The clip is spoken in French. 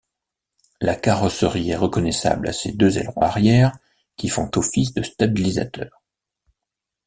La carrosserie est reconnaissable à ses deux ailerons arrière qui font office de stabilisateurs.